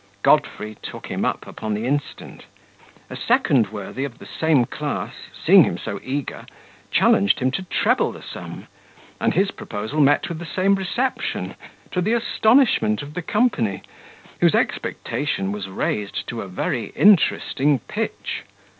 Godfrey took him upon the instant. A second worthy of the same class, seeing him so eager, challenged him to treble the sum; and his proposal met with the same reception, to the astonishment of the company, whose expectation was raised to a very interesting pitch.